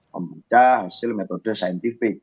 membaca hasil metode scientific